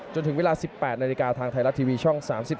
จนถึงเวลา๑๘นาฬิกาทางไทยรัฐทีวีช่อง๓๒